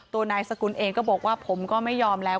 ตัวนายสกุลเองก็บอกว่าผมก็ไม่ยอมแล้ว